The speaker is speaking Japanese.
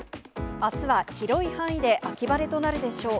あすは広い範囲で秋晴れとなるでしょう。